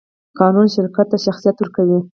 قانون شرکت ته شخصیت ورکوي.